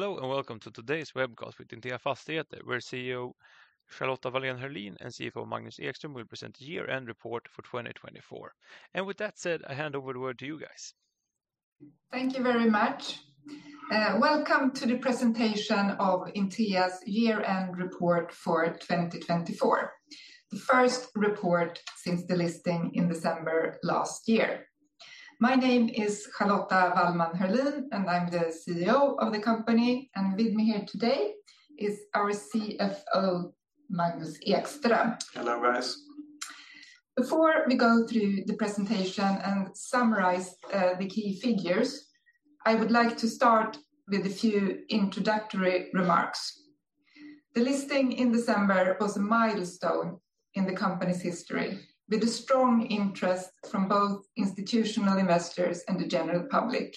Hello, and welcome to today's webcast with Intea Fastigheter, where CEO Charlotta Hörlin and CFO Magnus Ekström will present the year-end report for 2024, and with that said, I hand over the word to you guys. Thank you very much. Welcome to the presentation of Intea's year-end report for 2024, the first report since the listing in December last year. My name is Charlotta Wallman Hörlin, and I'm the CEO of the company, and with me here today is our CFO, Magnus Ekström. Hello, guys. Before we go through the presentation and summarize the key figures, I would like to start with a few introductory remarks. The listing in December was a milestone in the company's history, with a strong interest from both institutional investors and the general public.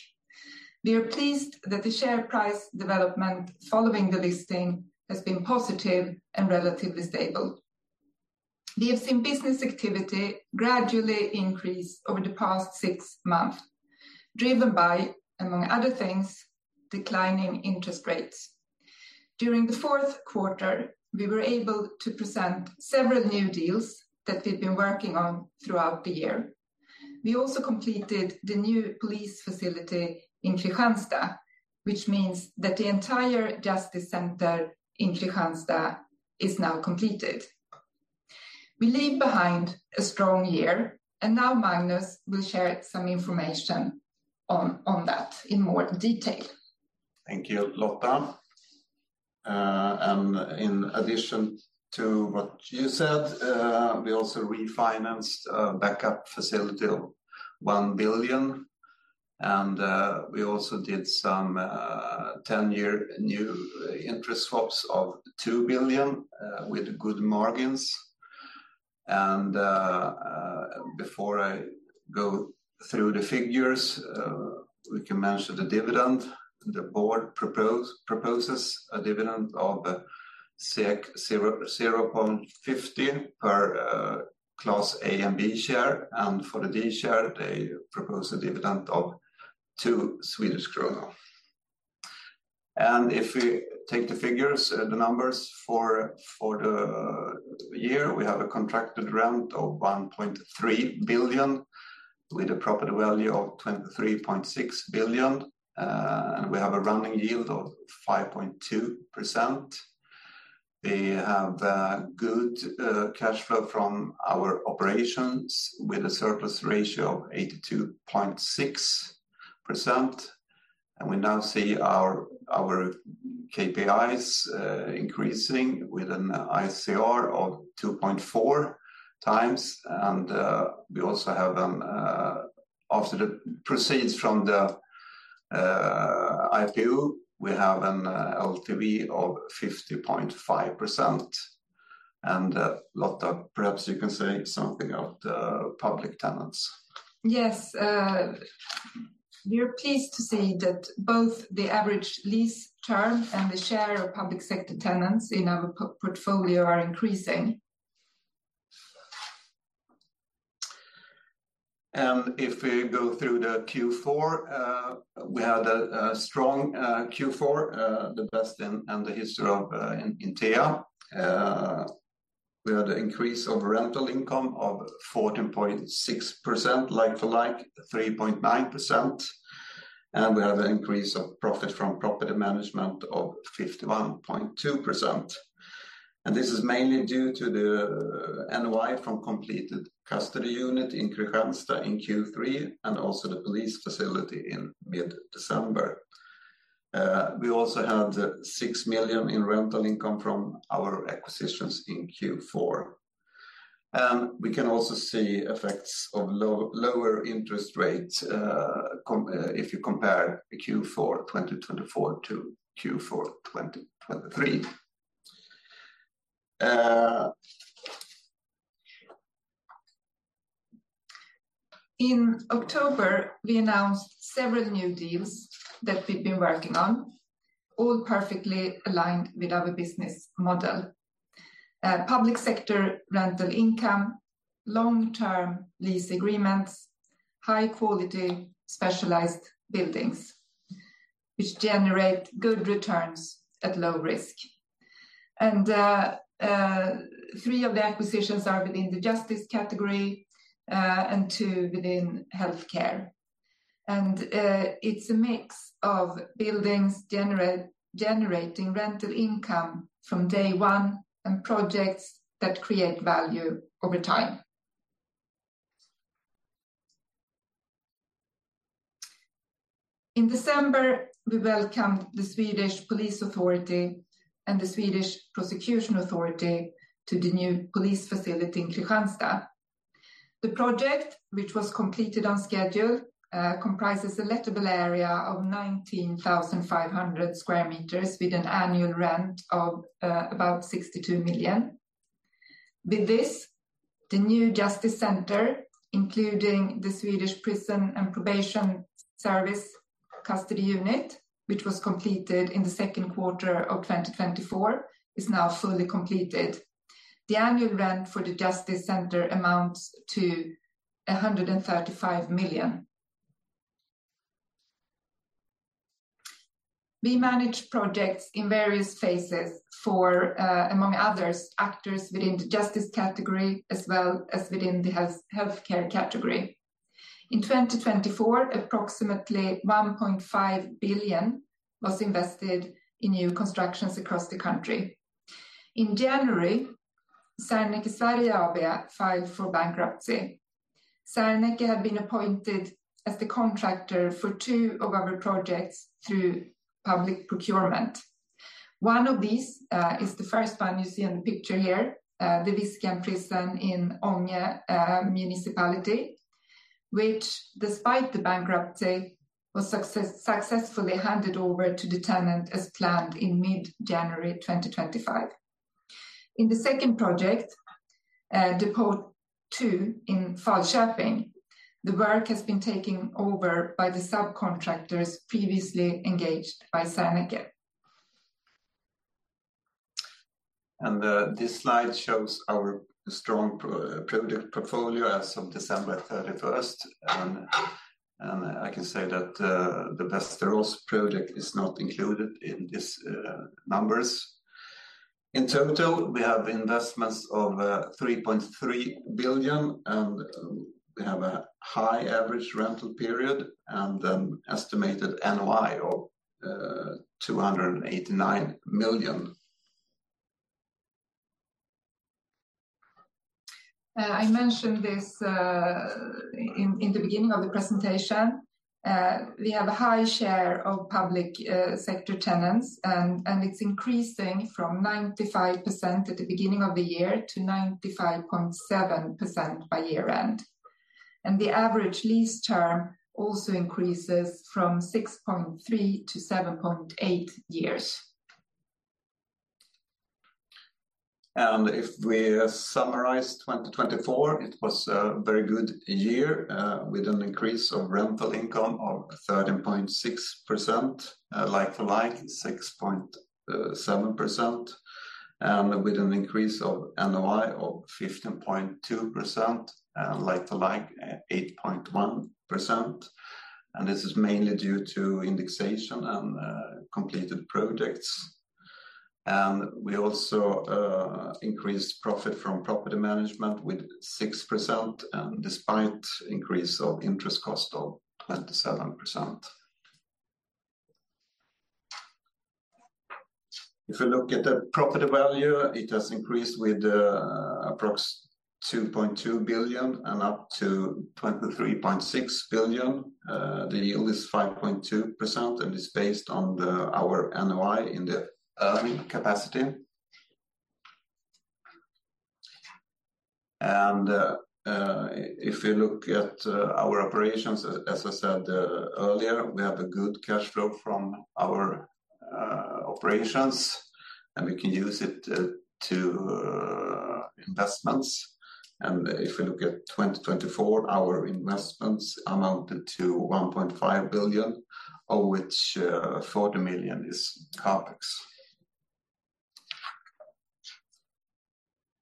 We are pleased that the share price development following the listing has been positive and relatively stable. We have seen business activity gradually increase over the past six months, driven by, among other things, declining interest rates. During the fourth quarter, we were able to present several new deals that we've been working on throughout the year. We also completed the new police facility in Kristianstad, which means that the entire justice center in Kristianstad is now completed. We leave behind a strong year, and now Magnus will share some information on that in more detail. Thank you, Charlotta. And in addition to what you said, we also refinanced a backup facility of 1 billion, and we also did some 10-year new interest swaps of 2 billion with good margins. And before I go through the figures, we can mention the dividend. The board proposes a dividend of 0.50 per Class A and B share, and for the D share, they propose a dividend of 2 Swedish krona. And if we take the figures, the numbers for the year, we have a contracted rent of 1.3 billion with a property value of 23.6 billion, and we have a running yield of 5.2%. We have good cash flow from our operations with a surplus ratio of 82.6%, and we now see our KPIs increasing with an ICR of 2.4 times. And we also have an, after the proceeds from the IPO, we have an LTV of 50.5%. Charlotta, perhaps you can say something about the public tenants? Yes. We are pleased to see that both the average lease term and the share of public sector tenants in our portfolio are increasing. And if we go through the Q4, we had a strong Q4, the best in the history of Intea. We had an increase of rental income of 14.6%, like-for-like, 3.9%. And we have an increase of profit from property management of 51.2%. And this is mainly due to the NOI from completed custody unit in Kristianstad in Q3 and also the police facility in mid-December. We also had 6 million in rental income from our acquisitions in Q4. And we can also see effects of lower interest rates if you compare Q4 2024 to Q4 2023. In October, we announced several new deals that we've been working on, all perfectly aligned with our business model: public sector rental income, long-term lease agreements, high-quality specialized buildings, which generate good returns at low risk. And three of the acquisitions are within the justice category and two within healthcare. And it's a mix of buildings generating rental income from day one and projects that create value over time. In December, we welcomed the Swedish Police Authority and the Swedish Prosecution Authority to the new police facility in Kristianstad. The project, which was completed on schedule, comprises a lettable area of 19,500 sq m with an annual rent of about 62 million. With this, the new justice center, including the Swedish Prison and Probation Service custody unit, which was completed in the second quarter of 2024, is now fully completed. The annual rent for the justice center amounts to 135 million. We manage projects in various phases for, among others, actors within the justice category as well as within the healthcare category. In 2024, approximately 1.5 billion was invested in new constructions across the country. In January, Serneke Sverige AB filed for bankruptcy. Serneke had been appointed as the contractor for two of our projects through public procurement. One of these is the first one you see in the picture here, the Viskan Prison in Ånge municipality, which, despite the bankruptcy, was successfully handed over to the tenant as planned in mid-January 2025. In the second project, the Porten 2 in Falköping, the work has been taken over by the subcontractors previously engaged by Serneke. This slide shows our strong project portfolio as of December 31st. I can say that the Västerås project is not included in these numbers. In total, we have investments of 3.3 billion, and we have a high average rental period and an estimated NOI of SEK 289 million. I mentioned this in the beginning of the presentation. We have a high share of public sector tenants, and it's increasing from 95% at the beginning of the year to 95.7% by year-end, and the average lease term also increases from 6.3 to 7.8 years. If we summarize 2024, it was a very good year with an increase of rental income of 13.6%, like-for-like, 6.7%, and with an increase of NOI of 15.2%, and like-for-like, 8.1%. This is mainly due to indexation and completed projects. We also increased profit from property management with 6%, and despite increase of interest cost of 27%. If we look at the property value, it has increased with approximately 2.2 billion and up to 23.6 billion. The yield is 5.2%, and it's based on our NOI in the earning capacity. If we look at our operations, as I said earlier, we have a good cash flow from our operations, and we can use it to investments. If we look at 2024, our investments amounted to 1.5 billion, of which 40 million is CapEx.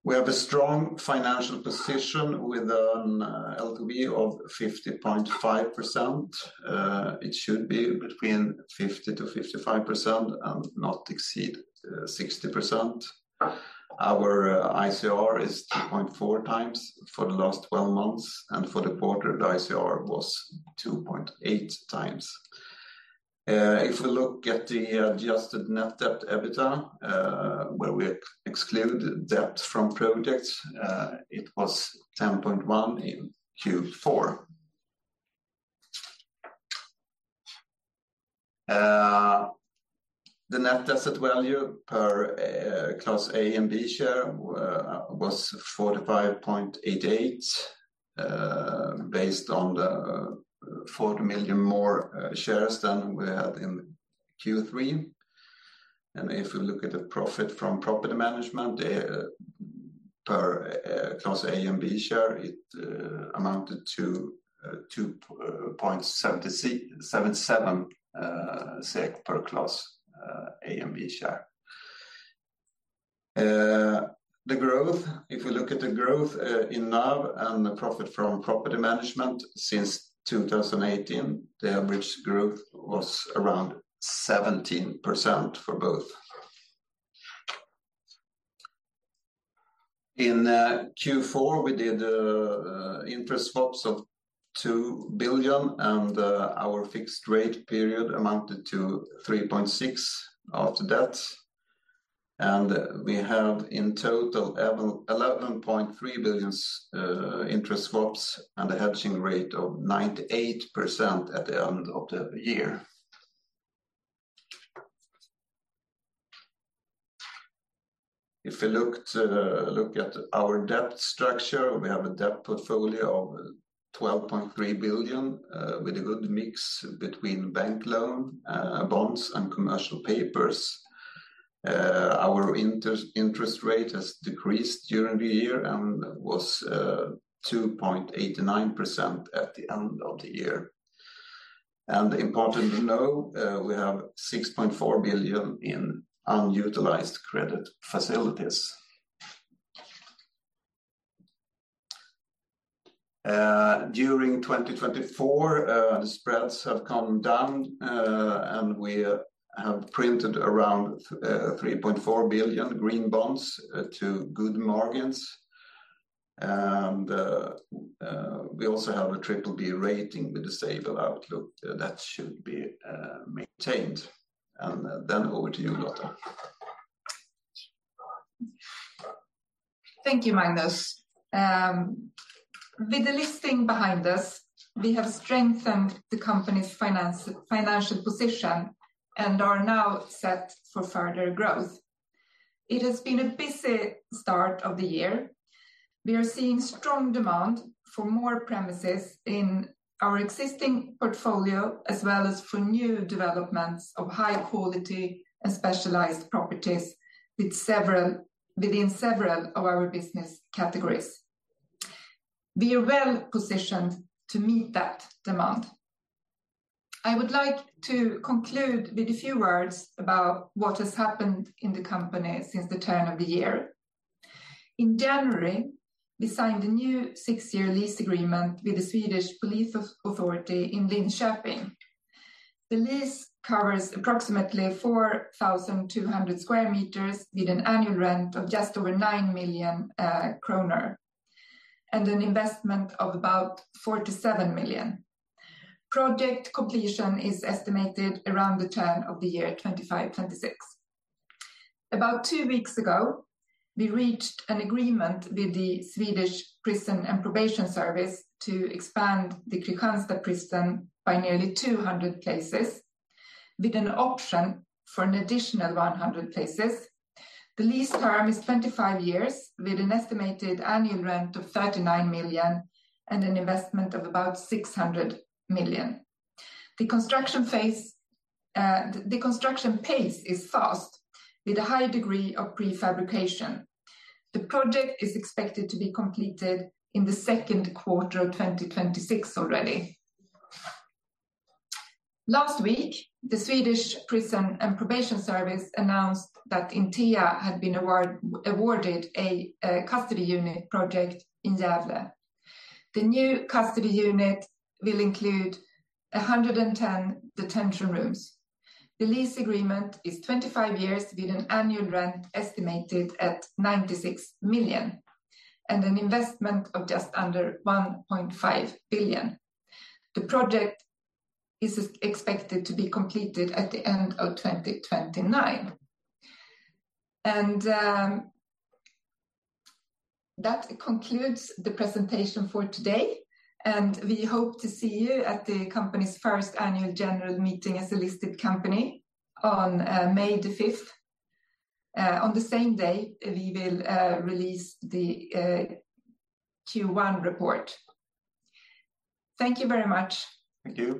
We have a strong financial position with an LTV of 50.5%. It should be between 50% to 55% and not exceed 60%. Our ICR is 2.4 times for the last 12 months, and for the quarter, the ICR was 2.8 times. If we look at the adjusted net debt EBITDA, where we exclude debt from projects, it was 10.1 in Q4. The net asset value per Class A and B share was 45.88, based on the 40 million more shares than we had in Q3. If we look at the growth in NAV and the profit from property management since 2018, the average growth was around 17% for both. The profit from property management per Class A and B share amounted to SEK 2.77. In Q4, we did interest swaps of 2 billion, and our fixed rate period amounted to 3.6% after that. And we have in total 11.3 billion interest swaps and a hedging rate of 98% at the end of the year. If we look at our debt structure, we have a debt portfolio of 12.3 billion with a good mix between bank loan, bonds, and commercial papers. Our interest rate has decreased during the year and was 2.89% at the end of the year. And important to know, we have 6.4 billion in unutilized credit facilities. During 2024, the spreads have come down, and we have printed around 3.4 billion green bonds to good margins. And we also have a BBB rating with a stable outlook that should be maintained. And then over to you, Charlotta. Thank you, Magnus. With the listing behind us, we have strengthened the company's financial position and are now set for further growth. It has been a busy start of the year. We are seeing strong demand for more premises in our existing portfolio, as well as for new developments of high quality and specialized properties within several of our business categories. We are well positioned to meet that demand. I would like to conclude with a few words about what has happened in the company since the turn of the year. In January, we signed a new six-year lease agreement with the Swedish Police Authority in Linköping. The lease covers approximately 4,200 square meters with an annual rent of just over 9 million kronor and an investment of about 47 million. Project completion is estimated around the turn of the year 2026. About two weeks ago, we reached an agreement with the Swedish Prison and Probation Service to expand the Kristianstad Prison by nearly 200 places with an option for an additional 100 places. The lease term is 25 years with an estimated annual rent of 39 million and an investment of about 600 million. The construction pace is fast with a high degree of prefabrication. The project is expected to be completed in the second quarter of 2026 already. Last week, the Swedish Prison and Probation Service announced that Intea had been awarded a custody unit project in Gävle. The new custody unit will include 110 detention rooms. The lease agreement is 25 years with an annual rent estimated at 96 million and an investment of just under 1.5 billion. The project is expected to be completed at the end of 2029, and that concludes the presentation for today. We hope to see you at the company's first annual general meeting as a listed company on May the 5th. On the same day, we will release the Q1 report. Thank you very much. Thank you.